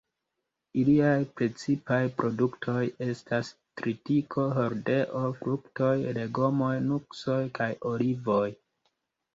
Iliaj precipaj produktoj estas tritiko, hordeo, fruktoj, legomoj, nuksoj, kaj olivoj.